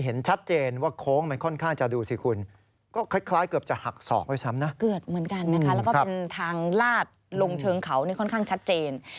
เหมือนกันนะคะแล้วก็เป็นทางลาดลงเชิงเขาค่อนข้างชัดเจน